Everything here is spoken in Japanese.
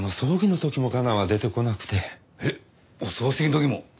えっお葬式の時も？